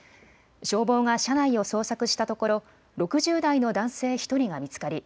消防が車内を捜索したところ６０代の男性１人が見つかり